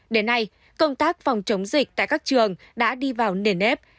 đến nay công tác phòng chống dịch tại các trường đã đi vào nền nếp